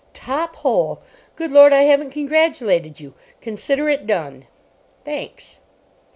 "Top hole. Good Lord, I haven't congratulated you! Consider it done." "Thanks."